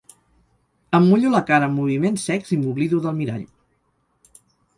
Em mullo la cara amb moviments secs i m'oblido del mirall.